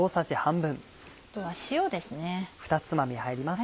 あとは塩ですね。